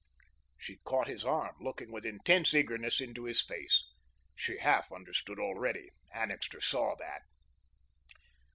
She caught his arm, looking with intense eagerness into his face. She half understood already. Annixter saw that.